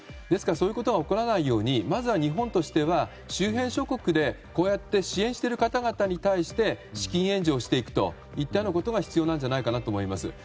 ですからそういうことが起こらないようにまずは日本としては周辺諸国でこうやって支援している方々に対して資金援助をしていくということが必要なんじゃないかと思います。